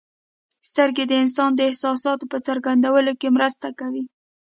سترګې د انسان د احساساتو په څرګندولو کې هم مرسته کوي.